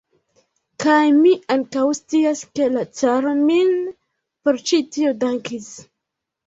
Kaj mi ankaŭ scias, ke la caro min por ĉi tio dankis.